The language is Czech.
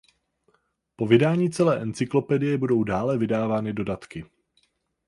Po vydání celé encyklopedie budou dále vydávány dodatky.